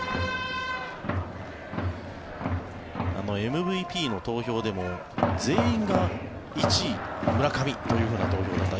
ＭＶＰの投票でも全員が１位、村上という投票だった。